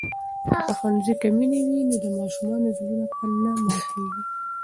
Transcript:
که په ښوونځي کې مینه وي نو د ماشومانو زړونه نه ماتېږي.